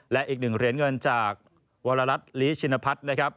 และอีก๑เหรียญเงินจากวรรดิลิชินพัฒน์